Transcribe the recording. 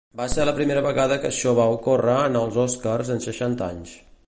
Va ser la primera vegada que això va ocórrer en els Oscars en seixanta anys.